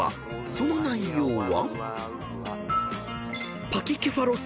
［その内容は］